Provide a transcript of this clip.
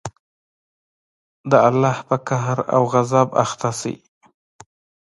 د الله په قهر او غصب اخته شئ.